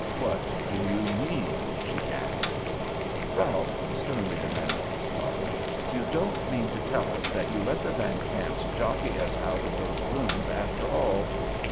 "What do you mean?" she gasped. "Ralph," sternly demanded his father, "you don't mean to tell us that you let the Van Kamps jockey us out of those rooms after all?"